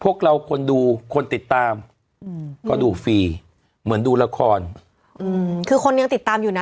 พวกเราคนดูคนติดตามอืมก็ดูฟรีเหมือนดูละครอืมคือคนยังติดตามอยู่น่ะ